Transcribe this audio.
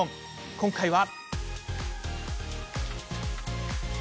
今回は？